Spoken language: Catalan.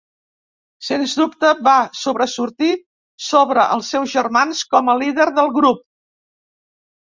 Sens dubte, va sobresortir sobre els seus germans com a líder del grup.